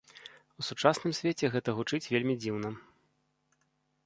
У сучасным свеце гэта гучыць вельмі дзіўна.